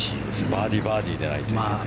バーディー、バーディーじゃないといけない。